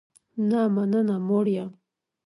نه مننه، موړ یم